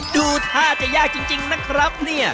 ดูท่าจะยากจริงนะครับเนี่ย